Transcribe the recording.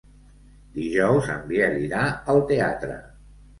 Dijous en Biel irà al teatre.